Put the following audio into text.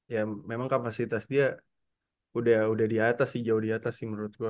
ya memang kapasitas dia udah di atas sih jauh di atas sih menurut gue